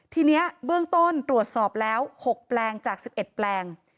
ทีนี้เบื้องต้นตรวจสอบแล้ว๖แปลงจาก๑๑แปลง